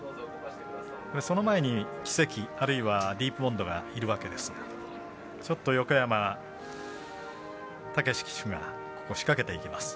その前にキセキ、あるいはディープボンドがいるわけですがちょっと横山武史騎手が仕掛けていきます。